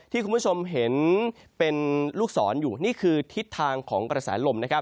ที่คุณผู้ชมเห็นเป็นลูกศรอยู่นี่คือทิศทางของกระแสลมนะครับ